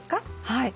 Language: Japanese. はい。